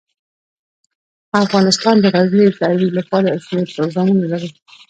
افغانستان د غزني د ترویج لپاره یو شمیر پروګرامونه لري.